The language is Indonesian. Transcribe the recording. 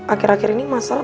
akhir akhir ini masalah